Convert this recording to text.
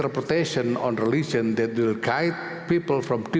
perlu mencari cara baru